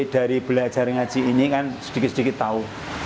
dari belajar ngaji ini kan sedikit sedikit tahu